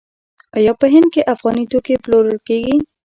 آیا په هند کې افغاني توکي پلورل کیږي؟